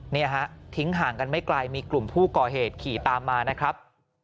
นี่ฮะทิ้งห่างกันไม่ไกลมีกลุ่มผู้ก่อเหตุขี่ตามมานะครับ